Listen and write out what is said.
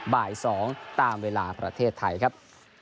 บ่าย๒ตามเวลาประเทศไทยครับ